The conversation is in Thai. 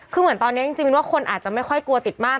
คือเหมือนตอนนี้จริงมินว่าคนอาจจะไม่ค่อยกลัวติดมาก